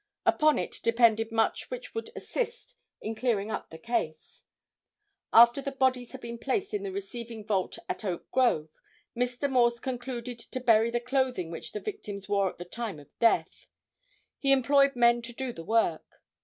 Upon it depended much which would assist in clearing up the case. After the bodies had been placed in the receiving vault at Oak Grove, Mr. Morse concluded to bury the clothing which the victims wore at the time of death. He employed men to do the work.